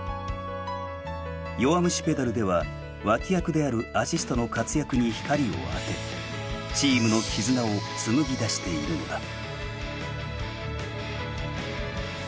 「弱虫ペダル」では脇役であるアシストの活躍に光を当てチームの絆を紡ぎ出しているのだ。